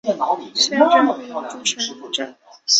县政府驻龙城镇。